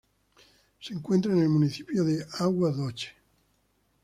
Se encuentra en el municipio de Água Doce.